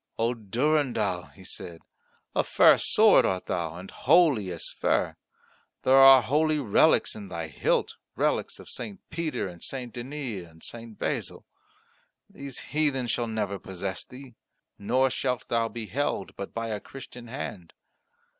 "O Durendal," he said, "a fair sword art thou, and holy as fair. There are holy relics in thy hilt, relics of St. Peter and St. Denis and St. Basil. These heathen shall never possess thee; nor shalt thou be held but by a Christian hand."